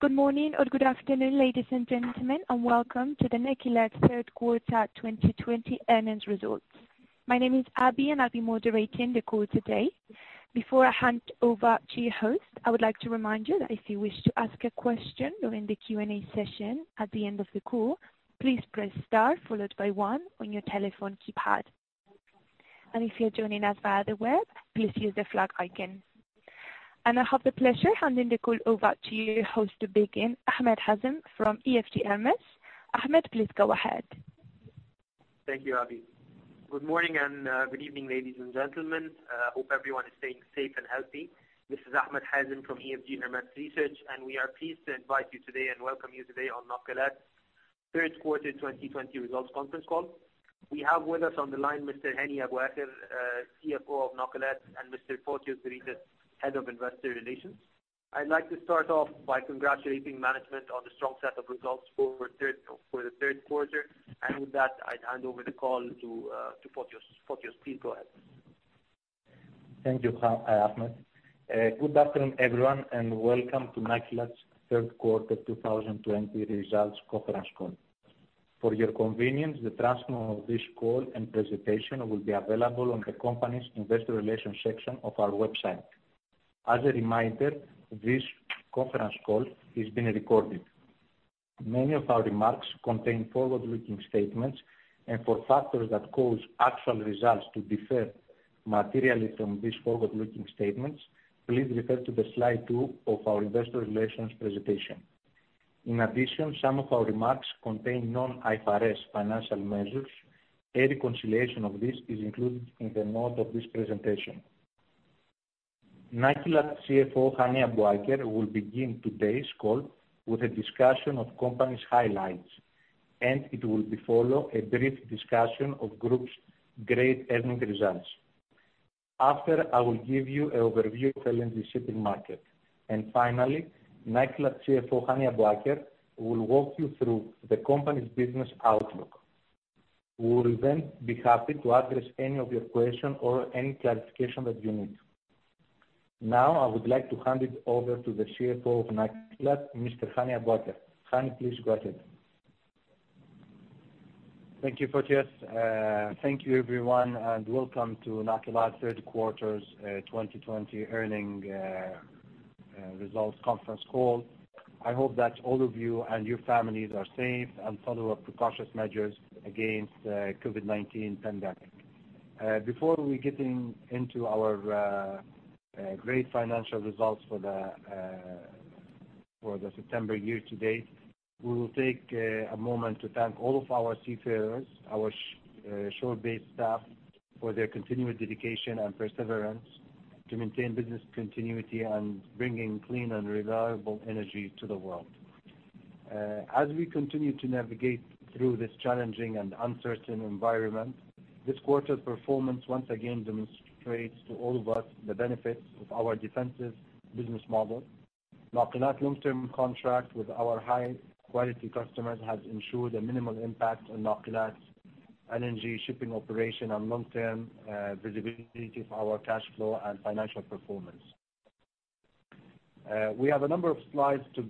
Good morning or good afternoon, ladies and gentlemen, welcome to the Nakilat Third Quarter 2020 earnings results. My name is Abby, I'll be moderating the call today. Before I hand over to your host, I would like to remind you that if you wish to ask a question during the Q&A session at the end of the call, please press star followed by one on your telephone keypad. If you're joining us via the web, please use the flag icon. I have the pleasure handing the call over to your host to begin, Ahmed Hazem from EFG Hermes. Ahmed, please go ahead. Thank you, Abby. Good morning and good evening, ladies and gentlemen. Hope everyone is staying safe and healthy. This is Ahmed Hazem from EFG Hermes Research, We are pleased to invite you today and welcome you today on Nakilat Third Quarter 2020 Results Conference Call. We have with us on the line Mr. Hani Abou-Sa'ker, CFO of Nakilat, and Mr. Fotios Zeritis, Head of Investor Relations. I'd like to start off by congratulating management on the strong set of results for the third quarter. With that, I hand over the call to Fotios. Fotios, please go ahead. Thank you, Ahmed. Good afternoon, everyone, welcome to Nakilat's Third Quarter 2020 Results Conference Call. For your convenience, the transmission of this call and presentation will be available on the company's investor relations section of our website. As a reminder, this conference call is being recorded. Many of our remarks contain forward-looking statements. For factors that cause actual results to differ materially from these forward-looking statements, please refer to the Slide 2 of our investor relations presentation. In addition, some of our remarks contain non-IFRS financial measures. A reconciliation of this is included in the note of this presentation. Nakilat CFO, Hani Abuaker, will begin today's call with a discussion of company's highlights, it will be followed a brief discussion of group's great earnings results. After, I will give you an overview of LNG shipping market. Finally, Nakilat CFO, Hani Abuaker, will walk you through the company's business outlook. We will then be happy to address any of your questions or any clarification that you need. Now, I would like to hand it over to the CFO of Nakilat, Mr. Hani Abuaker. Hani, please go ahead. Thank you, Fotios. Thank you, everyone, welcome to Nakilat Third Quarter 2020 Earnings Results Conference Call. I hope that all of you and your families are safe and follow precautions measures against COVID-19 pandemic. Before we get into our great financial results for the September year-to-date, we will take a moment to thank all of our seafarers, our shore-based staff for their continued dedication and perseverance to maintain business continuity and bringing clean and reliable energy to the world. As we continue to navigate through this challenging and uncertain environment, this quarter performance once again demonstrates to all of us the benefits of our defensive business model. Nakilat's long-term contract with our high-quality customers has ensured a minimal impact on Nakilat LNG shipping operations and long-term visibility for our cash flow and financial performance. We have a number of slides to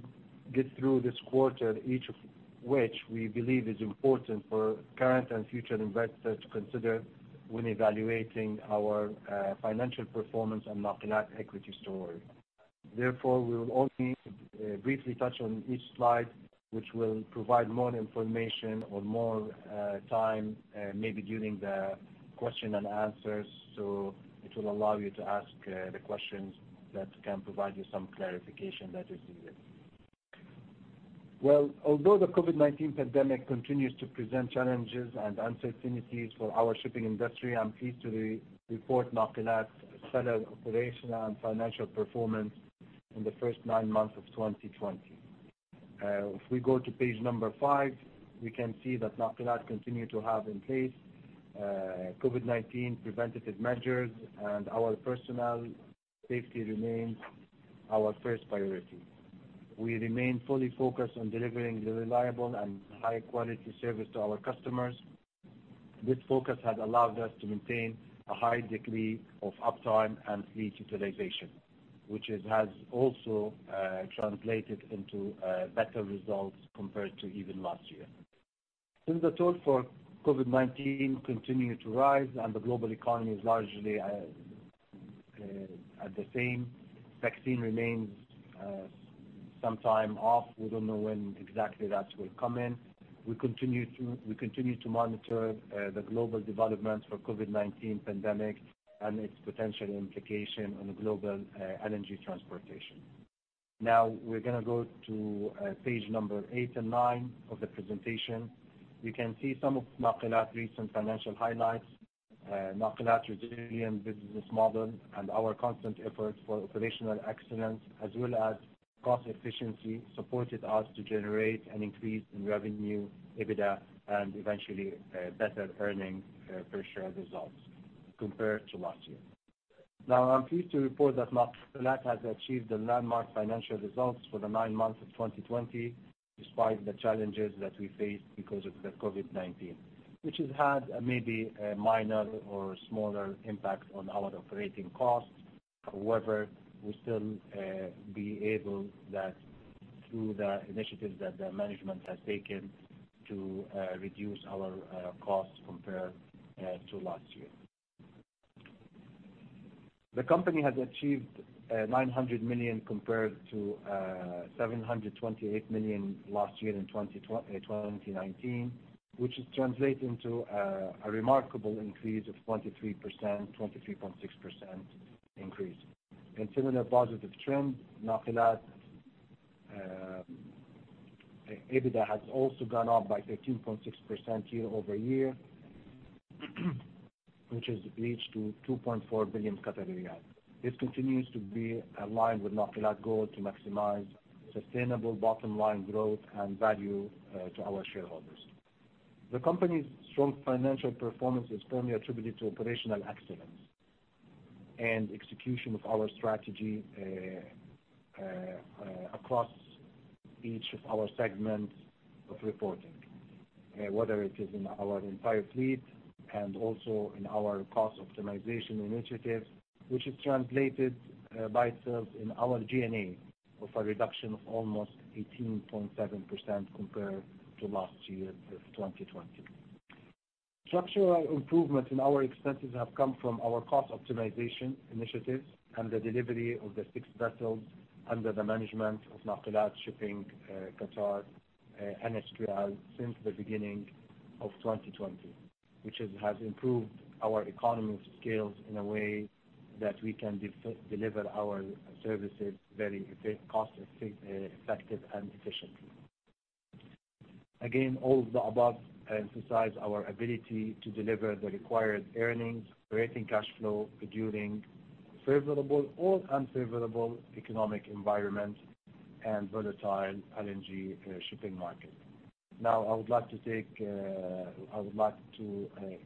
get through this quarter, each of which we believe is important for current and future investors to consider when evaluating our financial performance and Nakilat equity story. We will only briefly touch on each slide, which will provide more information or more time, maybe during the question and answer. It will allow you to ask the questions that can provide you some clarification that is needed. Well, although the COVID-19 pandemic continues to present challenges and uncertainties for our shipping industry, I'm pleased to report Nakilat solid operational and financial performance in the first nine months of 2020. If we go to page five, we can see that Nakilat continues to have in place COVID-19 preventative measures. Our personnel safety remains our first priority. We remain fully focused on delivering the reliable and high-quality service to our customers. This focus has allowed us to maintain a high degree of uptime and fleet utilization, which has also translated into better results compared to even last year. The toll for COVID-19 continues to rise and the global economy is largely at the same, vaccine remains some time off. We don't know when exactly that will come in. We continue to monitor the global developments for COVID-19 pandemic and its potential implications on global LNG transportation. We're going to go to page eight and nine of the presentation. We can see some of Nakilat recent financial highlights. Nakilat resilient business model and our constant efforts for operational excellence as well as cost efficiency supported us to generate an increase in revenue, EBITDA, and eventually better earnings per share results compared to last year. I'm pleased to report that Nakilat has achieved the landmark financial results for the nine months of 2020 despite the challenges that we faced because of the COVID-19, which has had maybe a minor or smaller impact on our operating costs. Through the initiatives that the management has taken to reduce our costs compared to last year. The company has achieved 900 million compared to 728 million last year in 2019, which is translating to a remarkable increase of 23.6%. In a similar positive trend, Nakilat EBITDA has also gone up by 13.6% year-over-year, which has reached to 2.4 billion Qatari riyals. This continues to be aligned with Nakilat's goal to maximize sustainable bottom line growth and value to our shareholders. The company's strong financial performance is firmly attributed to operational excellence and execution of our strategy across each of our segments of reporting, whether it is in our entire fleet and also in our cost optimization initiatives, which is translated by itself in our G&A of a reduction of almost 18.7% compared to last year of 2020. Structural improvements in our expenses have come from our cost optimization initiatives and the delivery of the six vessels under the management of Nakilat Shipping Qatar, NSQL, since the beginning of 2020, which has improved our economy of scales in a way that we can deliver our services very cost effective and efficiently. Again, all of the above emphasize our ability to deliver the required earnings, operating cash flow during favorable or unfavorable economic environments and volatile LNG shipping market. I would like to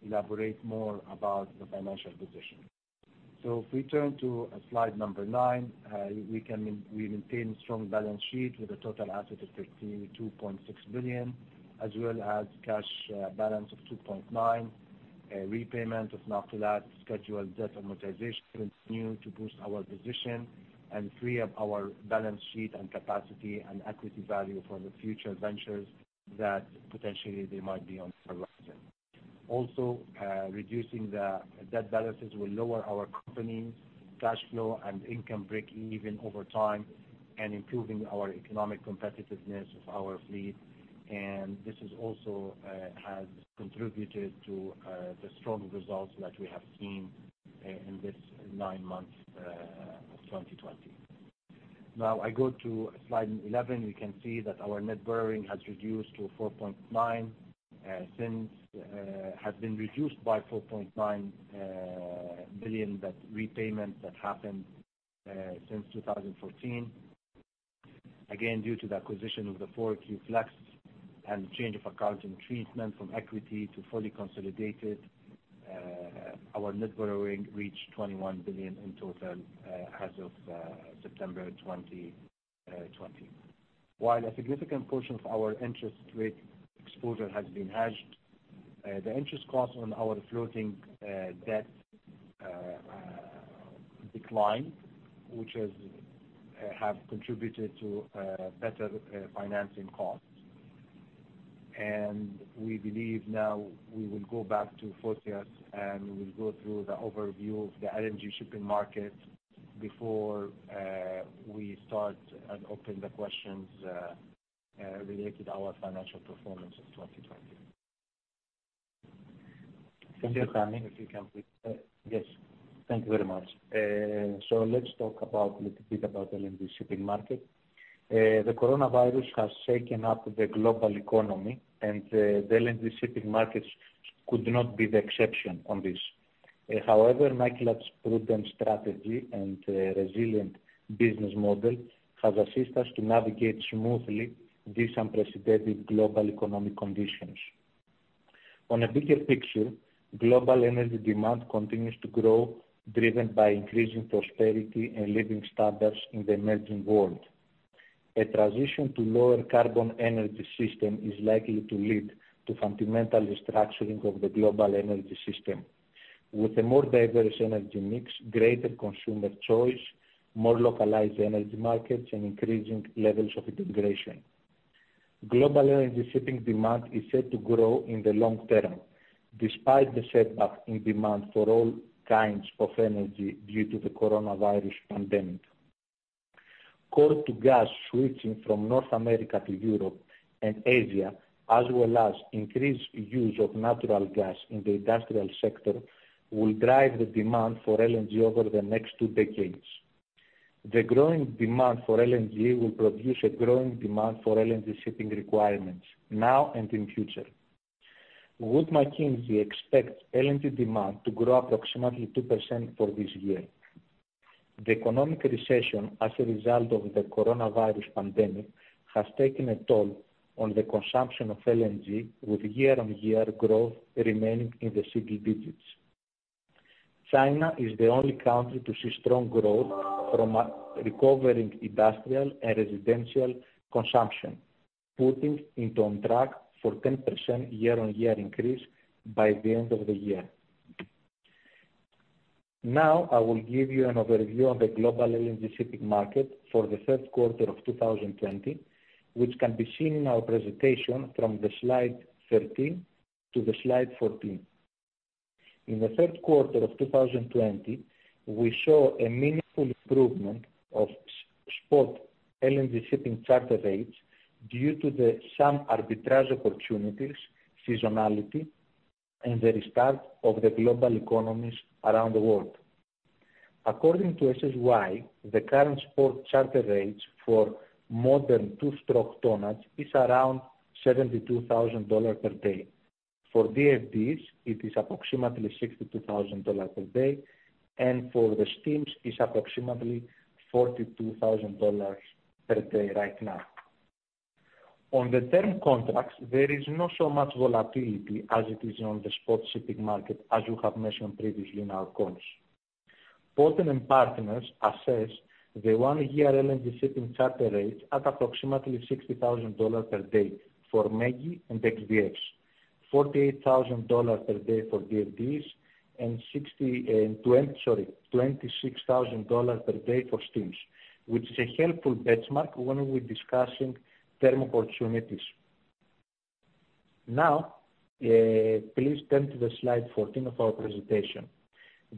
elaborate more about the financial position. If we turn to slide number nine, we maintain strong balance sheet with a total asset of 52.6 billion, as well as cash balance of 2.9 billion. Repayment of Nakilat scheduled debt amortization continue to boost our position and free up our balance sheet and capacity and equity value for the future ventures that potentially they might be on the horizon. Also, reducing the debt balances will lower our company's cash flow and income breakeven over time and improving our economic competitiveness of our fleet. This also has contributed to the strong results that we have seen in this nine months of 2020. I go to slide 11. We can see that our net borrowing has been reduced by 4.9 billion debt repayment that happened since 2014. Due to the acquisition of the four Q-Flex and the change of accounting treatment from equity to fully consolidated, our net borrowing reached 21 billion in total as of September 2020. While a significant portion of our interest rate exposure has been hedged, the interest cost on our floating debt declined, which have contributed to better financing costs. We believe now we will go back to Fotios, and we will go through the overview of the LNG shipping market before we start and open the questions related to our financial performance in 2020. Thank you. If you can please. Yes. Thank you very much. Let's talk a little bit about LNG shipping market. The coronavirus has shaken up the global economy and the LNG shipping markets could not be the exception on this. However, Nakilat's prudent strategy and resilient business model has assisted us to navigate smoothly this unprecedented global economic conditions. On a bigger picture, global energy demand continues to grow, driven by increasing prosperity and living standards in the emerging world. A transition to lower carbon energy system is likely to lead to fundamental restructuring of the global energy system with a more diverse energy mix, greater consumer choice, more localized energy markets, and increasing levels of integration. Global energy shipping demand is set to grow in the long term, despite the setback in demand for all kinds of energy due to the coronavirus pandemic. Coal to gas switching from North America to Europe and Asia, as well as increased use of natural gas in the industrial sector, will drive the demand for LNG over the next 2 decades. The growing demand for LNG will produce a growing demand for LNG shipping requirements now and in future. Wood Mackenzie expects LNG demand to grow approximately 2% for this year. The economic recession as a result of the coronavirus pandemic has taken a toll on the consumption of LNG, with year-on-year growth remaining in the single digits. China is the only country to see strong growth from a recovering industrial and residential consumption, putting it on track for 10% year-on-year increase by the end of the year. I will give you an overview of the global LNG shipping market for the third quarter of 2020, which can be seen in our presentation from the slide 13 to the slide 14. In the third quarter of 2020, we saw a meaningful improvement of spot LNG shipping charter rates due to some arbitrage opportunities, seasonality, and the restart of the global economies around the world. According to SSY, the current spot charter rates for modern two-stroke tonnage is around $72,000 per day. For DFDEs, it is approximately $62,000 per day, and for the steams, it is approximately $42,000 per day right now. On the term contracts, there is not so much volatility as it is on the spot shipping market, as we have mentioned previously in our calls. Poten & Partners assess the one-year LNG shipping charter rates at approximately $60,000 per day for MEGI and X-DF, $48,000 per day for DFDEs, and $26,000 per day for steams, which is a helpful benchmark when we're discussing term opportunities. Please turn to the slide 14 of our presentation.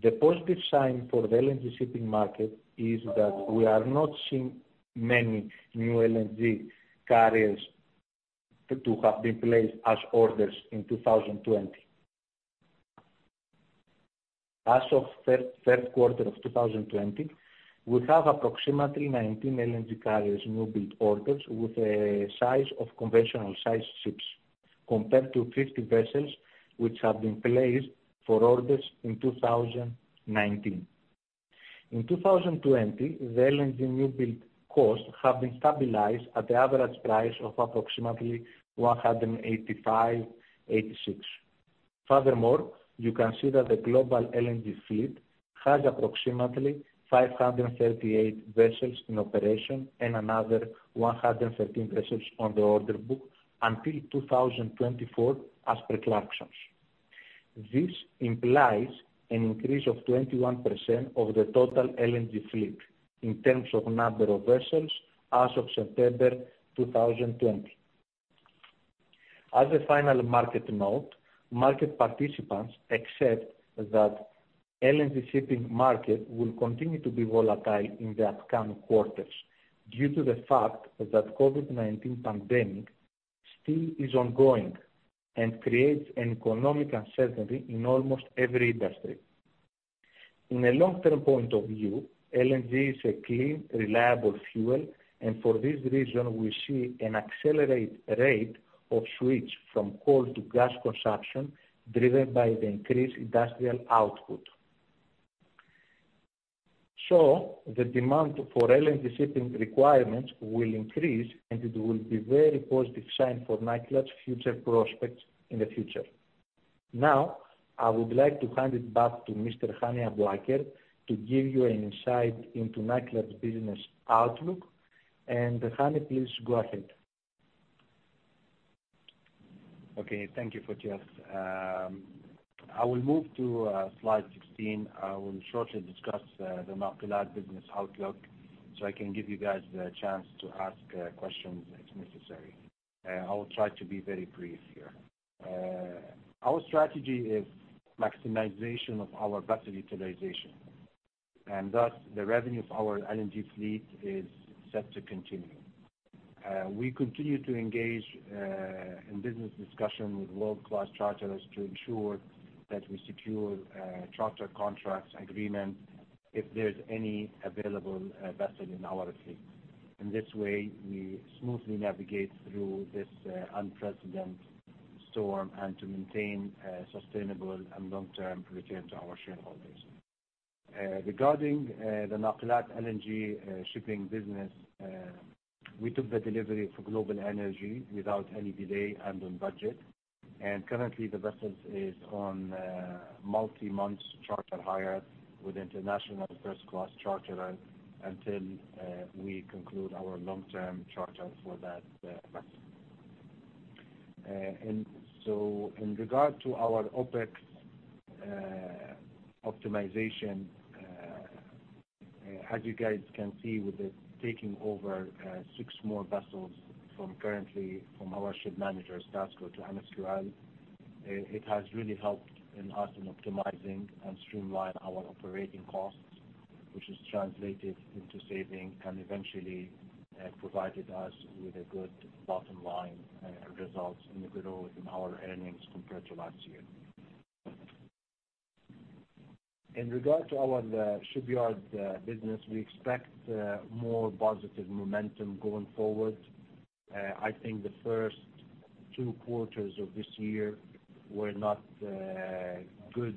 The positive sign for the LNG shipping market is that we are not seeing many new LNG carriers to have been placed as orders in 2020. As of third quarter of 2020, we have approximately 19 LNG carriers, new build orders with a size of conventional size ships, compared to 50 vessels which have been placed for orders in 2019. In 2020, the LNG new build costs have been stabilized at the average price of approximately 185, 86. Furthermore, you can see that the global LNG fleet has approximately 538 vessels in operation and another 113 vessels on the order book until 2024 as per Clarksons. This implies an increase of 21% of the total LNG fleet in terms of number of vessels as of September 2020. As a final market note, market participants accept that LNG shipping market will continue to be volatile in the upcoming quarters due to the fact that COVID-19 pandemic still is ongoing and creates an economic uncertainty in almost every industry. In a long-term point of view, LNG is a clean, reliable fuel, and for this reason, we see an accelerated rate of switch from coal to gas consumption driven by the increased industrial output. The demand for LNG shipping requirements will increase, and it will be very positive sign for Nakilat's future prospects in the future. Now, I would like to hand it back to Mr. Hani Abuaker to give you an insight into Nakilat business outlook. Hani, please go ahead. Okay. Thank you, Fotios. I will move to slide 16. I will shortly discuss the Nakilat business outlook, so I can give you guys the chance to ask questions if necessary. I will try to be very brief here. Our strategy is maximization of our vessel utilization, and thus, the revenue of our LNG fleet is set to continue. We continue to engage in business discussion with world-class charterers to ensure that we secure charter contracts agreement if there's any available vessel in our fleet. In this way, we smoothly navigate through this unprecedented storm and to maintain sustainable and long-term return to our shareholders. Regarding the Nakilat LNG shipping business, we took the delivery for Global Energy without any delay and on budget, and currently the vessel is on multi-month charter hire with international first class charterer until we conclude our long-term charter for that vessel. In regard to our OPEX optimization, as you guys can see with the taking over six more vessels from currently from our ship managers, Stasco to NSQL, it has really helped us in optimizing and streamline our operating costs, which has translated into saving, and eventually, provided us with a good bottom line results in the growth in our earnings compared to last year. In regard to our shipyard business, we expect more positive momentum going forward. I think the first two quarters of this year were not good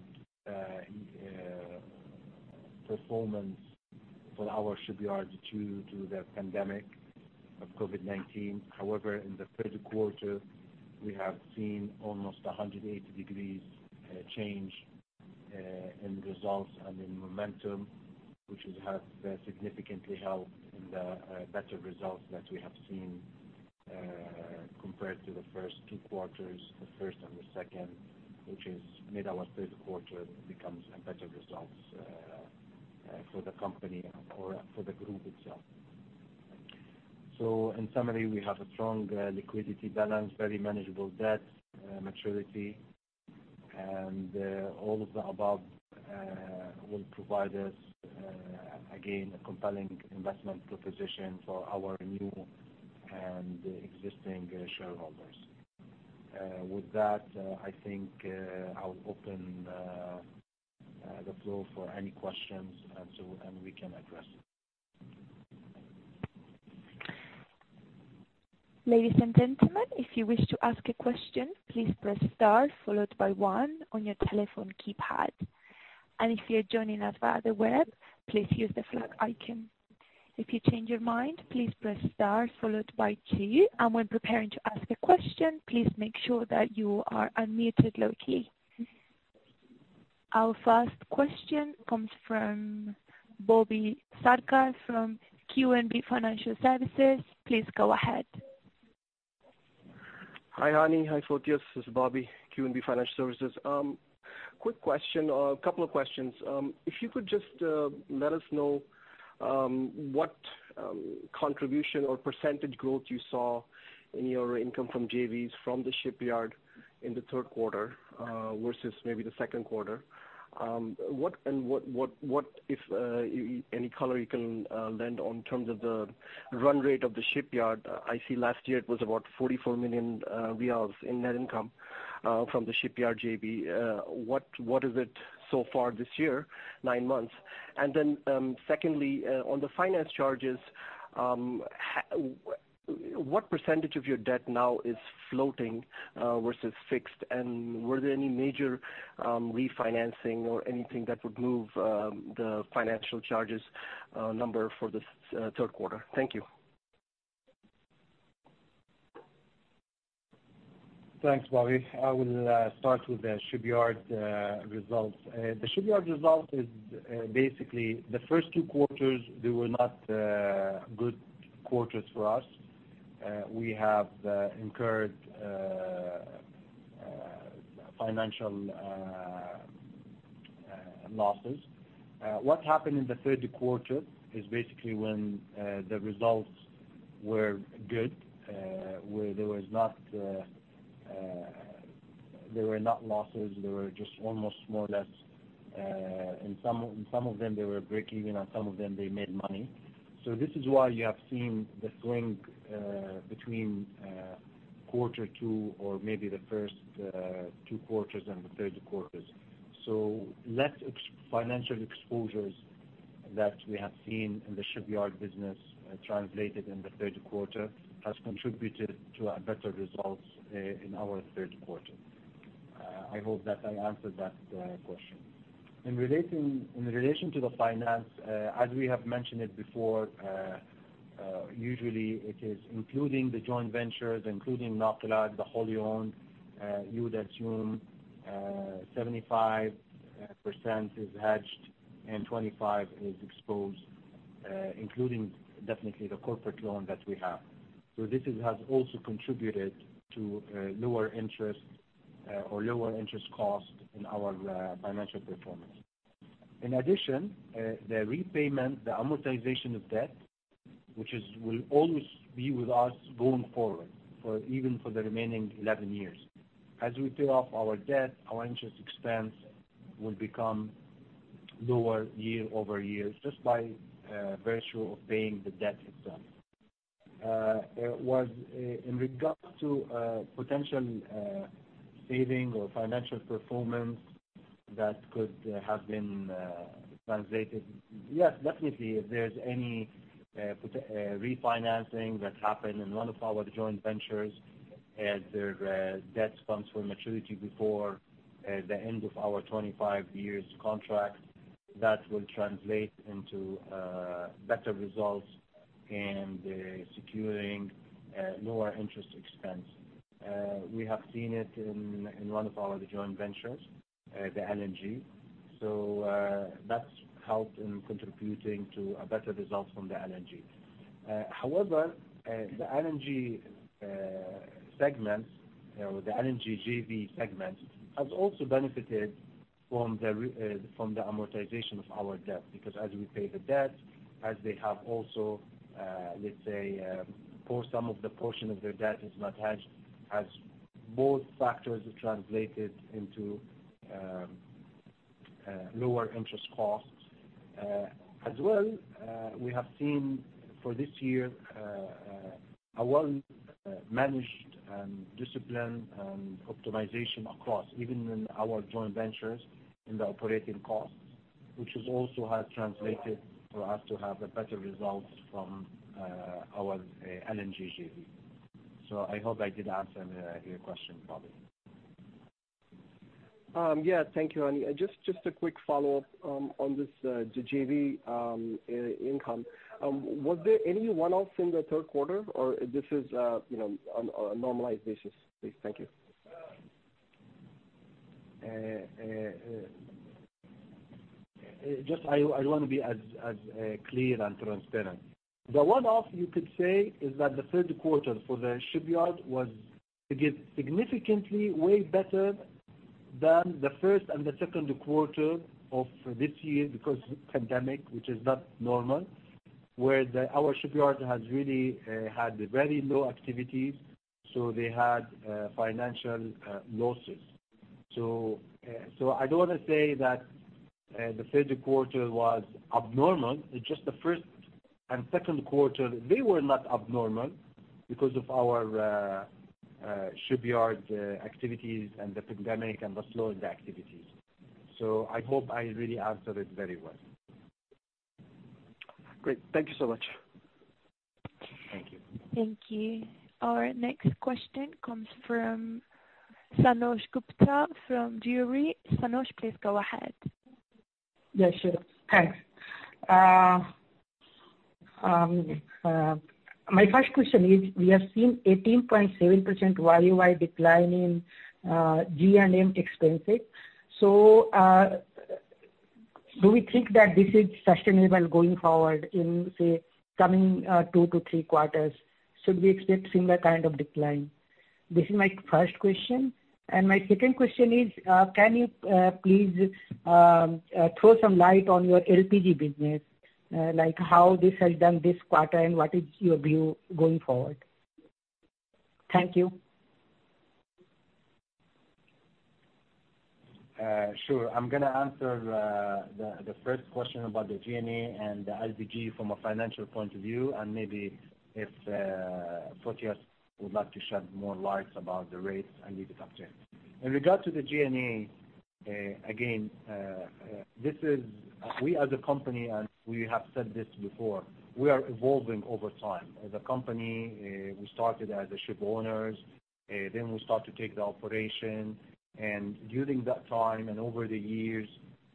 performance for our shipyard due to the pandemic of COVID-19. However, in the third quarter, we have seen almost 180 degrees change in results and in momentum, which has significantly helped in the better results that we have seen compared to the first two quarters, the first and the second, which has made our third quarter become a better result for the company or for the group itself. In summary, we have a strong liquidity balance, very manageable debt maturity, and all of the above will provide us, again, a compelling investment proposition for our new and existing shareholders. I think I will open the floor for any questions, and we can address it. Ladies and gentlemen, if you wish to ask a question, please press star followed by one on your telephone keypad. If you're joining us via the web, please use the flag icon. If you change your mind, please press star followed by two. When preparing to ask a question, please make sure that you are unmuted locally. Our first question comes from Bobby Sarkar from QNB Financial Services. Please go ahead. Hi, Hani. Hi, Fotios. This is Bobby, QNB Financial Services. Quick question or a couple of questions. If you could just let us know what contribution or percentage growth you saw in your income from JVs from the shipyard in the third quarter versus maybe the second quarter. What, if any color you can lend on terms of the run rate of the shipyard. I see last year it was about 44 million riyals in net income from the shipyard JV. What is it so far this year, nine months? Secondly, on the finance charges, what percentage of your debt now is floating versus fixed? Were there any major refinancing or anything that would move the financial charges number for this third quarter? Thank you. Thanks, Bobby. I will start with the shipyard results. The shipyard result is basically the first 2 quarters, they were not good quarters for us. We have incurred financial losses. What happened in the third quarter is basically when the results were good, where there were not losses. They were just almost more or less, in some of them, they were breakeven, and some of them they made money. This is why you have seen the swing between quarter 2 or maybe the first 2 quarters and the third quarter. Less financial exposures that we have seen in the shipyard business translated in the third quarter has contributed to our better results in our third quarter. I hope that I answered that question. In relation to the finance, as we have mentioned it before, usually it is including the joint ventures, including Nakilat, the wholly owned. You would assume 75% is hedged and 25% is exposed, including definitely the corporate loan that we have. This has also contributed to lower interest or lower interest cost in our financial performance. In addition, the repayment, the amortization of debt, which will always be with us going forward, even for the remaining 11 years. As we pay off our debt, our interest expense will become lower year-over-year, just by virtue of paying the debt itself. In regards to potential saving or financial performance that could have been translated, yes, definitely. If there's any refinancing that happened in one of our joint ventures, as their debts comes for maturity before the end of our 25 years contract, that will translate into better results in securing lower interest expense. We have seen it in one of our joint ventures, the LNG. That's helped in contributing to a better result from the LNG. However, the LNG segment or the LNG JV segment, has also benefited from the amortization of our debt, because as we pay the debt, as they have also, let's say, some of the portion of their debt is not hedged, as both factors have translated into lower interest costs. As well, we have seen for this year, a well-managed and disciplined and optimization across, even in our joint ventures in the operating costs, which has also translated for us to have a better result from our LNG JV. I hope I did answer your question, Bobby. Yeah. Thank you, Hani. Just a quick follow-up on this JV income. Was there any one-off in the third quarter, or this is on a normalized basis, please? Thank you. I want to be as clear and transparent. The one-off you could say is that the third quarter for the shipyard was significantly way better than the first and the second quarter of this year because of pandemic, which is not normal, where our shipyard has really had very low activities. They had financial losses. I don't want to say that the third quarter was abnormal. It is just the first and second quarter, they were not abnormal because of our shipyard activities and the pandemic and the slow activities. I hope I really answered it very well. Great. Thank you so much. Thank you. Thank you. Our next question comes from Santhosh Gupta from EFG. Santhosh, please go ahead. Yeah, sure. Thanks. My first question is, we have seen 18.7% YOY decline in G&A expenses. Do we think that this is sustainable going forward in, say, coming two to three quarters? Should we expect similar kind of decline? This is my first question. My second question is, can you please throw some light on your LPG business? Like how this has done this quarter, and what is your view going forward? Thank you. Sure. I'm going to answer the first question about the G&A and the LPG from a financial point of view, and maybe if Fotios would like to shed more light about the rates, I leave it up to him. In regard to the G&A, again, we as a company, and we have said this before, we are evolving over time. As a company, we started as ship owners, then we start to take the operation. During that time and over the years,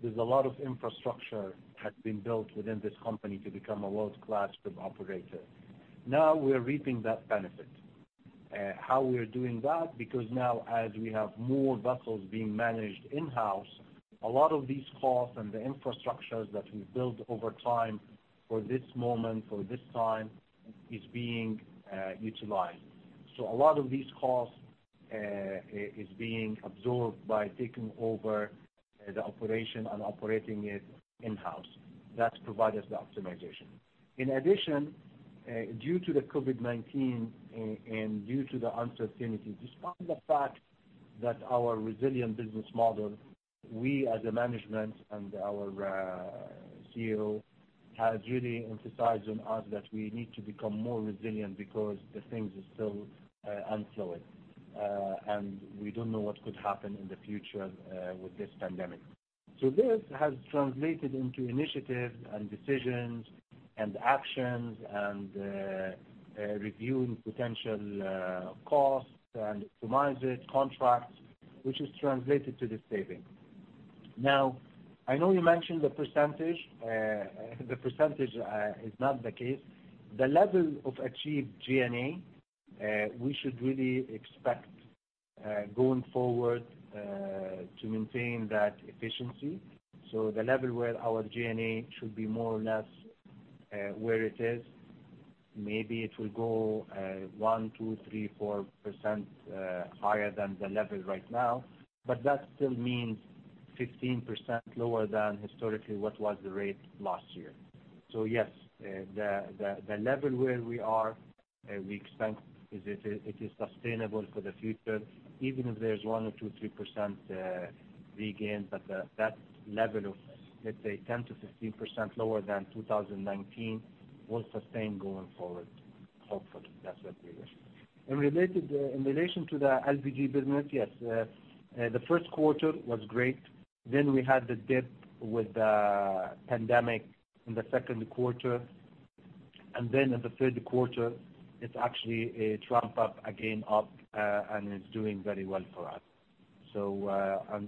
there's a lot of infrastructure has been built within this company to become a world-class ship operator. Now we're reaping that benefit. How we're doing that, because now as we have more vessels being managed in-house, a lot of these costs and the infrastructures that we've built over time for this moment, for this time, is being utilized. A lot of these costs is being absorbed by taking over the operation and operating it in-house. That provide us the optimization. In addition, due to the COVID-19, and due to the uncertainty, despite the fact that our resilient business model, we as a management and our CEO has really emphasized on us that we need to become more resilient because the things are still unfollowed. We don't know what could happen in the future with this pandemic. This has translated into initiatives and decisions and actions and reviewing potential costs and optimize it, contracts, which is translated to this saving. Now, I know you mentioned the percentage. The percentage is not the case. The level of achieved G&A, we should really expect, going forward, to maintain that efficiency. The level where our G&A should be more or less where it is. Maybe it will go 1, 2, 3, 4% higher than the level right now, but that still means 15% lower than historically what was the rate last year. Yes, the level where we are, we expect it is sustainable for the future, even if there's 1 or 2, 3% regain, but that level of, let's say, 10%-15% lower than 2019 will sustain going forward, hopefully. That's what we wish. In relation to the LPG business, yes, the first quarter was great. We had the dip with the pandemic in the second quarter, and then in the third quarter, it's actually a trump up again up, and it's doing very well for us.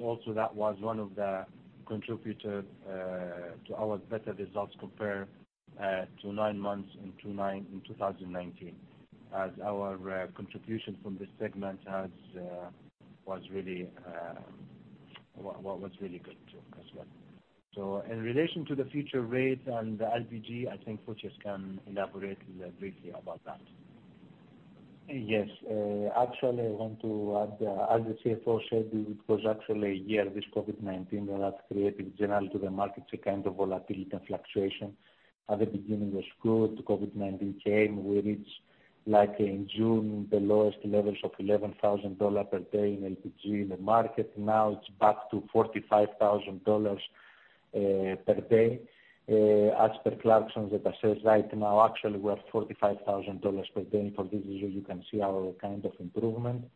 Also that was one of the contributor to our better results compared to nine months in 2019, as our contribution from this segment was really good, too, as well. In relation to the future rates and the LPG, I think Fotios can elaborate briefly about that. Yes. Actually, I want to add, as the CFO said, it was actually a year, this COVID-19, that has created generally to the markets a kind of volatility and fluctuation. At the beginning it was good. COVID-19 came, we reached like in June, the lowest levels of $11,000 per day in LPG in the market. Now it is back to $45,000 per day. As per Clarksons, that assess right now, actually, we are $45,000 per day. For this year, you can see our kind of improvement.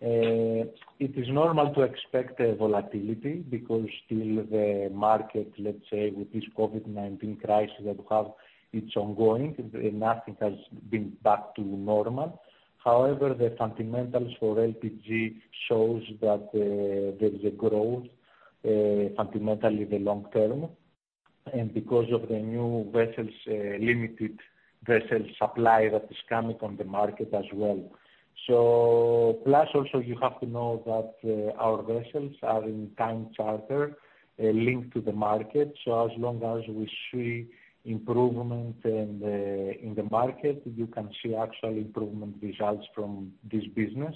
It is normal to expect volatility because still the market, let's say, with this COVID-19 crisis that we have, it is ongoing. Nothing has been back to normal. However, the fundamentals for LPG shows that there is a growth fundamentally the long term. Because of the new limited vessels supply that is coming on the market as well. Plus, also you have to know that our vessels are in time charter, linked to the market. As long as we see improvement in the market, you can see actual improvement results from this business.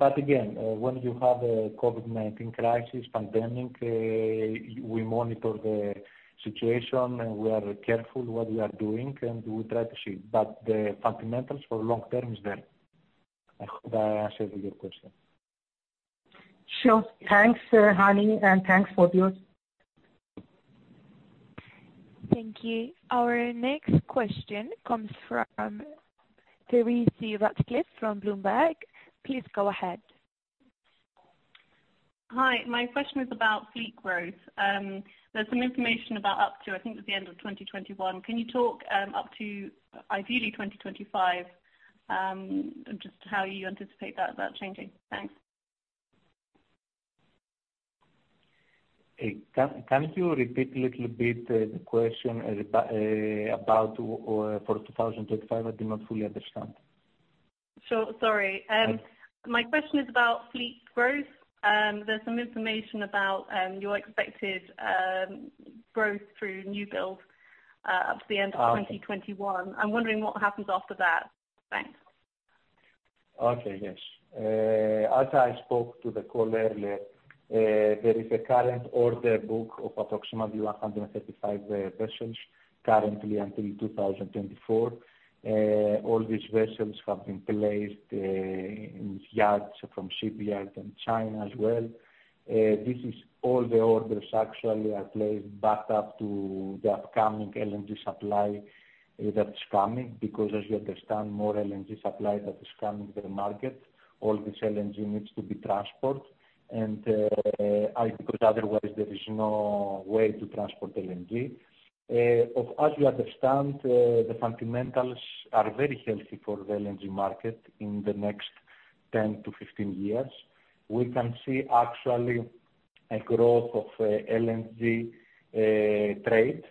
Again, when you have a COVID-19 crisis, pandemic, we monitor the situation, and we are careful what we are doing, and we try to see. The fundamentals for long-term is there. I hope I answered your question. Sure. Thanks, Johnny, thanks Fotios. Thank you. Our next question comes from Teresa Ratcliff from Bloomberg. Please go ahead. Hi. My question is about fleet growth. There's some information about up to, I think it's the end of 2021. Can you talk up to ideally 2025, just how you anticipate that changing? Thanks. Can you repeat a little bit the question about for 2025? I did not fully understand. Sure. Sorry. My question is about fleet growth. There's some information about your expected growth through new builds up to the end of 2021. I'm wondering what happens after that. Thanks. Okay. Yes. As I spoke to the call earlier, there is a current order book of approximately 135 vessels currently until 2024. All these vessels have been placed in yards from shipyard in China as well. This is all the orders actually are placed back up to the upcoming LNG supply that is coming, because as you understand, more LNG supply that is coming to the market, all this LNG needs to be transported because otherwise there is no way to transport LNG. As you understand, the fundamentals are very healthy for the LNG market in the next 10 to 15 years. We can see actually a growth of LNG trade.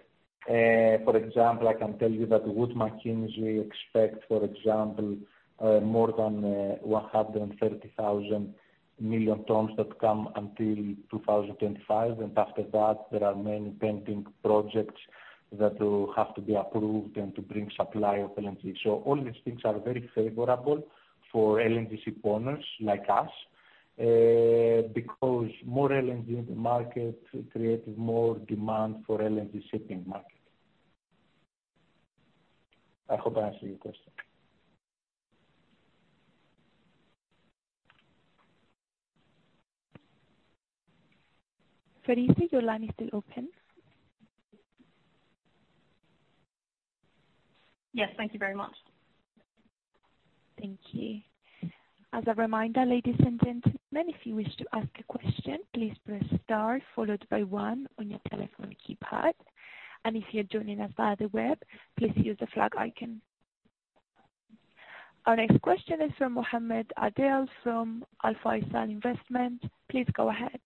For example, I can tell you that Wood Mackenzie expect, for example, more than 130,000 million tons that come until 2025. After that, there are many pending projects that will have to be approved and to bring supply of LNG. All these things are very favorable for LNG ship owners like us, because more LNG in the market create more demand for LNG shipping market. I hope I answered your question. Teresa, your line is still open. Yes. Thank you very much. Thank you. As a reminder, ladies and gentlemen, if you wish to ask a question, please press star followed by one on your telephone keypad. If you're joining us via the web, please use the flag icon. Our next question is from Mohamed Adel from Alpha Islam Investment. Please go ahead.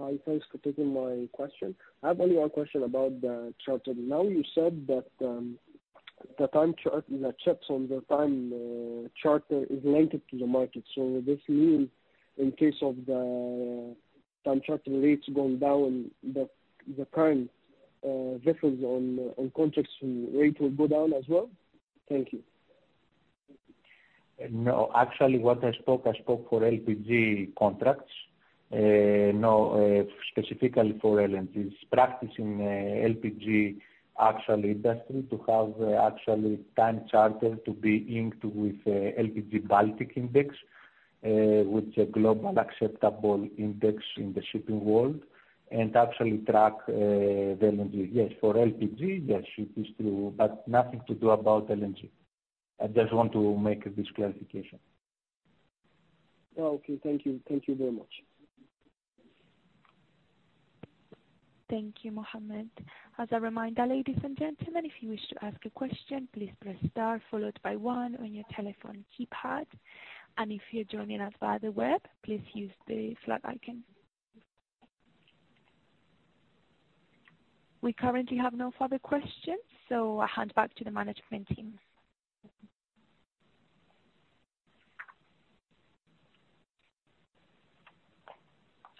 Hi. Thanks for taking my question. I have only one question about the charter. You said that the ships on the time charter is linked to the market. This means in case of the time charter rates going down, the current vessels on contracts rate will go down as well? Thank you. No. Actually, what I spoke, I spoke for LPG contracts. No, specifically for LNG. It's practice in LPG actual industry to have actual time charter to be inked with LPG Baltic index, which is a global acceptable index in the shipping world, and actually track the LNG. For LPG, yes, it is true, nothing to do about LNG. I just want to make this clarification. Okay. Thank you. Thank you very much. Thank you, Mohammed. As a reminder, ladies and gentlemen, if you wish to ask a question, please press star followed by one on your telephone keypad. If you're joining us via the web, please use the flag icon. We currently have no further questions. I hand back to the management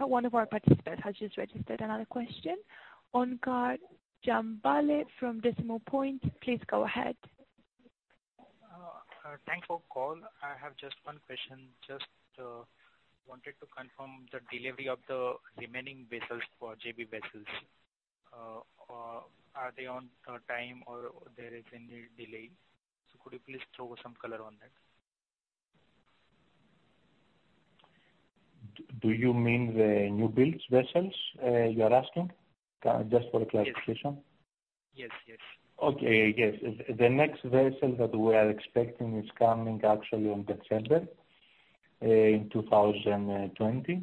team. One of our participants has just registered another question. Umar Jamaly from Decimal Point, please go ahead. Thanks for call. I have just one question. Just wanted to confirm the delivery of the remaining vessels for JB vessels. Are they on time, or there is any delay? Could you please throw some color on that? Do you mean the new build vessels you're asking, just for clarification? Yes. Okay. Yes. The next vessel that we are expecting is coming actually in December in 2020.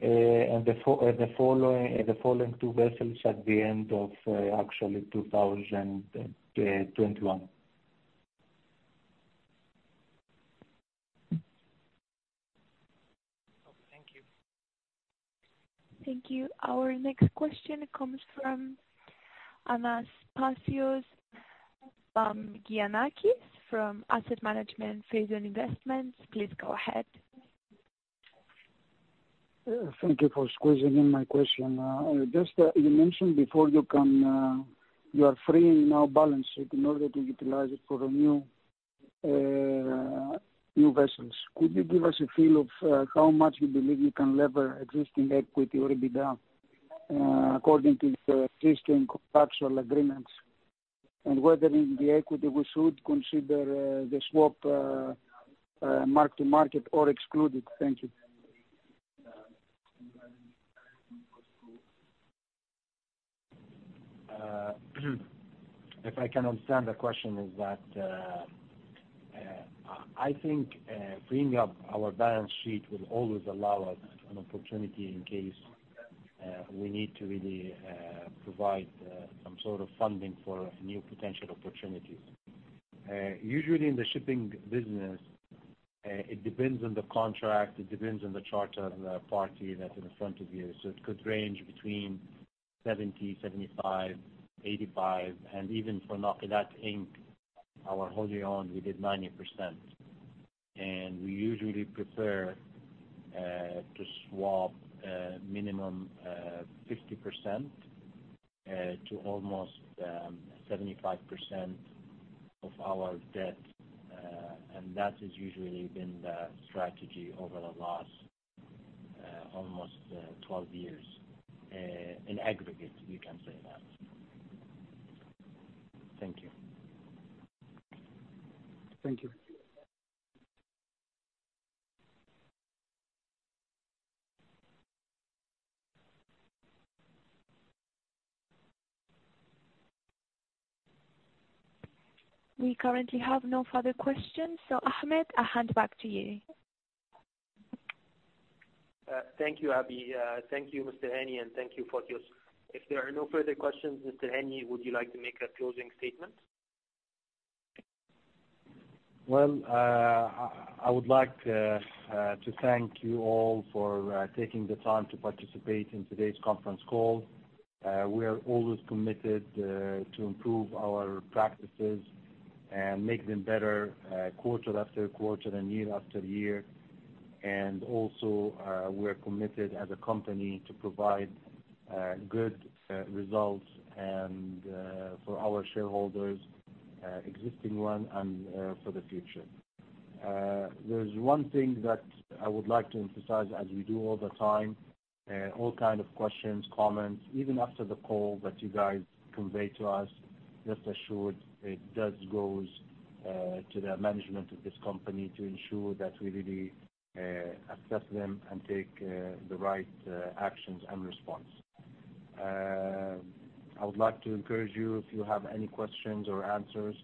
The following two vessels at the end of actually 2021. Oh, thank you. Thank you. Our next question comes from Anas Al-Yahyaei from Giannakis from Asset Management Phase and Investments. Please go ahead. Thank you for squeezing in my question. Just you mentioned before you are freeing now balance sheet in order to utilize it for new vessels. Could you give us a feel of how much you believe you can lever existing equity or EBITDA according to existing contractual agreements? Whether in the equity we should consider the swap mark-to-market or excluded. Thank you. If I can understand the question is that, I think freeing up our balance sheet will always allow us an opportunity in case we need to really provide some sort of funding for new potential opportunities. Usually in the shipping business, it depends on the contract, it depends on the charter, and the party that's in front of you. It could range between 70, 75, 85, and even for Nakilat Inc, our wholly owned, we did 90%. We usually prefer to swap a minimum 50% to almost 75% of our debt. That has usually been the strategy over the last almost 12 years. In aggregate, you can say that. Thank you. Thank you. We currently have no further questions. Ahmed, I hand back to you. Thank you, Abby. Thank you, Mr. Hani, and thank you, Fotios. If there are no further questions, Mr. Hani, would you like to make a closing statement? Well, I would like to thank you all for taking the time to participate in today's conference call. We are always committed to improve our practices and make them better quarter after quarter and year after year. Also, we are committed as a company to provide good results for our shareholders, existing one and for the future. There's one thing that I would like to emphasize as we do all the time, all kind of questions, comments, even after the call that you guys convey to us, rest assured it does go to the management of this company to ensure that we really assess them and take the right actions and response. I would like to encourage you if you have any questions or answers,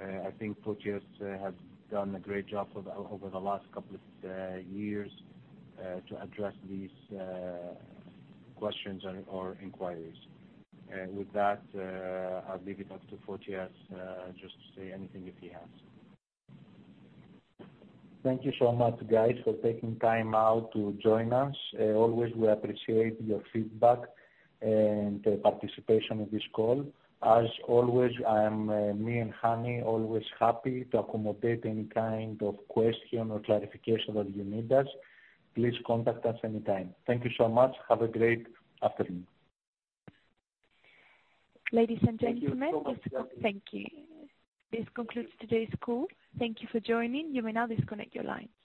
I think Fotios has done a great job over the last couple of years to address these questions or inquiries. With that, I'll leave it up to Fotios just to say anything if he has. Thank you so much guys for taking time out to join us. Always, we appreciate your feedback and participation in this call. As always, me and Hani always happy to accommodate any kind of question or clarification that you need us. Please contact us anytime. Thank you so much. Have a great afternoon. Ladies and gentlemen. Thank you so much, Abby. Thank you. This concludes today's call. Thank you for joining. You may now disconnect your lines.